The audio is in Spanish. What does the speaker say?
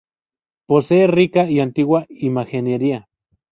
Posee rica y antigua imaginería.